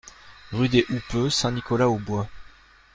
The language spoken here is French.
Rue des Houppeux, Saint-Nicolas-aux-Bois